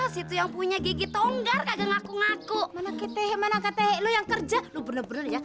sampai jumpa di video selanjutnya